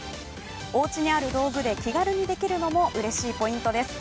お家にある道具で気軽にできるのもうれしいポイントです。